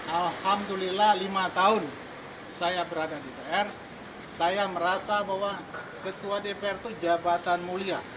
alhamdulillah lima tahun saya berada di pr saya merasa bahwa ketua dpr itu jabatan mulia